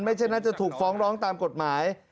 ไม่ช่วยน่าจะถูกฟ้องร้องตามกฏหมาย